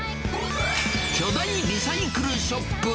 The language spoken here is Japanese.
巨大リサイクルショップ